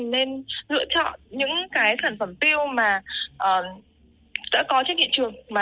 nên lựa chọn những sản phẩm tiêu mà đã có trên hiện trường